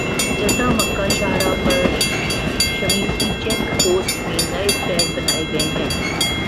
Jeddah Mecca شاہراہ پر شمیسی چیک پوسٹ میں نئے ٹریک بنائے گئے ہیں